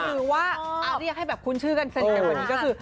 คือว่าเอาเรียกให้แบบคุ้นชื่อกันเสร็จกันก่อนนี้ก็คือ